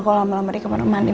kalau malam malam di kamar mandi